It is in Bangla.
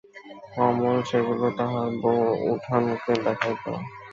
অমল সেগুলি তাহার বউঠানকে দেখাইত।